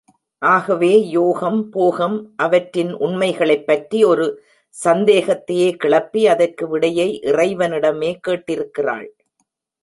ஆகவே யோகம் போகம் அவற்றின் உண்மைகளைப்பற்றி ஒரு சந்தேகத்தையே கிளப்பி, அதற்கு விடையை இறைவனிடமே கேட்டிருக்கிறாள்.